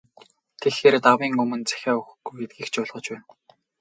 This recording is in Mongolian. Тэгэхээр, давын өмнө захиа өгөхгүй гэдгийг ч ойлгож байлаа.